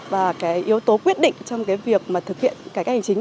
và cái yếu tố quyết định trong cái việc mà thực hiện cải cách hành chính